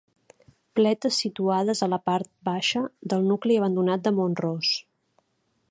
Pletes situades a la part baixa del nucli abandonat de Mont-ros.